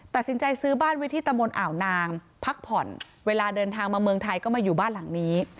ตัดสินใจซื้อบ้านไว้ที่ตะมนต์อ่าวนางพักผ่อนเวลาเดินทางมาเมืองไทยก็มาอยู่บ้านหลังนี้